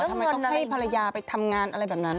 ทำไมต้องให้ภรรยาไปทำงานอะไรแบบนั้น